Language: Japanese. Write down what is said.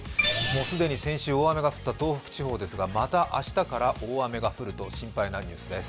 もう既に先週、大雨が降った東北地方ですがまた明日から大雨が降ると心配なニュースです。